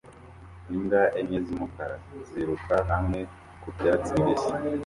Imbwa enye z'umukara ziruka hamwe ku byatsi bibisi